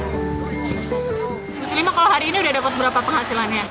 sulima kalau hari ini udah dapat berapa penghasilannya